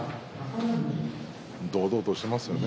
堂々としていますね。